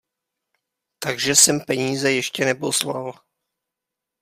Takže jsem peníze ještě neposlal.